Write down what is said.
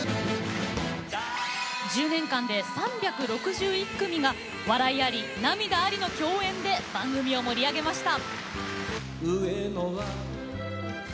１０年間で３６１組が笑いあり涙ありの共演で番組を盛り上げました。